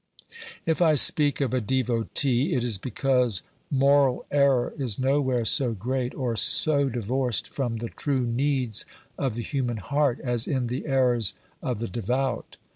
If I speak of a devotee, it is because moral error is nowhere so great or so divorced from the true needs of the human heart as in the errors of the devout.